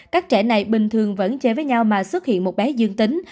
các trẻ này bình thường vẫn chê với nhau mà xuất hiện một bé dương tính